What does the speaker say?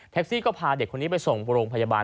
ซี่ก็พาเด็กคนนี้ไปส่งโรงพยาบาล